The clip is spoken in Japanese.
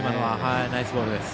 ナイスボールです。